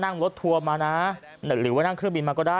นั่งรถทัวร์มานะ